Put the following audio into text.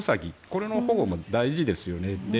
これの保護も大事ですよね。